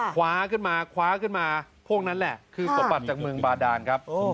คว้าขึ้นมาคว้าขึ้นมาพวกนั้นแหละคือสมบัติจากเมืองบาดานครับ